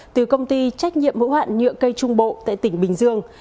từ công ty trách nhiệm hữu hạn nhựa cây trung bộ tại tỉnh bình dương